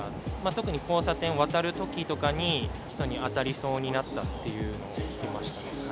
特に交差点を渡るときとかに、人に当たりそうになったっていうのを聞きました。